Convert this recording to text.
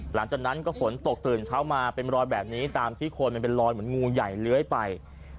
หลังจากนั้นก็ฝนตกตื่นเช้ามาเป็นรอยแบบนี้ตามที่คนมันเป็นรอยเหมือนงูใหญ่เลื้อยไป